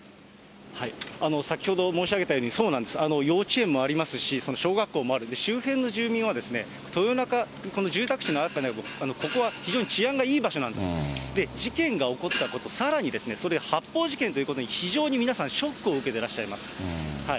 先ほど申し上げたように、そうなんです、幼稚園もありますし、小学校もあるんで、周辺の住民は、この住宅地にあって、ここは非常に治安がいい場所なんだと、事件が起こったこと、さらにそれ、発砲事件ということに非常に皆さん、ショックを受けていらっしゃいます。